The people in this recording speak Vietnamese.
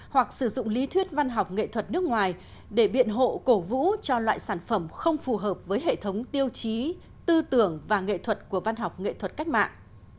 hoặc sử dụng lý thuyết văn học nghệ thuật nước ngoài để biện hộ cổ vũ cho loại sản phẩm không phù hợp với hệ thống tiêu chí tư tưởng và nghệ thuật của văn học nghệ thuật cách mạng